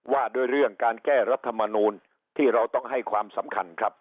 ว่าด้วยเรื่องการแก้รัฐมนูลที่เราต้องให้ความสำคัญครับ